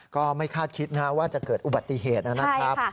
ก็ไม่คาดคิดว่าจะเกิดอุบัติเหตุนะครับ